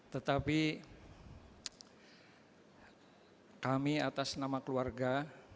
tetapi kami atas nama keluarga